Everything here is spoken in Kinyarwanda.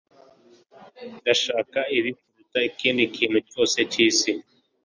Ndashaka ibi kuruta ikindi kintu cyose cyisi.